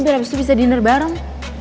biar abis itu bisa dinner bareng